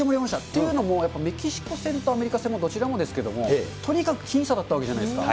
というのも、やっぱメキシコ戦とアメリカ戦のどちらもですけれども、とにかく僅差だったわけじゃないですか。